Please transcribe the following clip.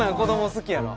好きやわ！